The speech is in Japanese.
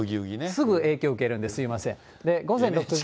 すぐ影響受けるんで、すみません。